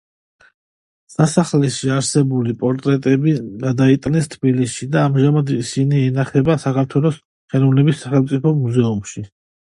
სასახლეში არსებული პორტრეტები გადაიტანეს თბილისში და ამჟამად ისინი ინახება საქართველოს ხელოვნების სახელმწიფო მუზეუმში.